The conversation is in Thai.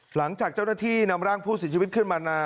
หลังจากเจ้าหน้าที่นำร่างผู้เสียชีวิตขึ้นมานาน